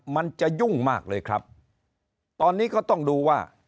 มันจะยุ่งมากเลยครับตอนนี้ก็ต้องดูว่า